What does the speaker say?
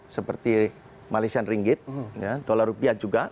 seperti malaysian ringgit dolar rupiah juga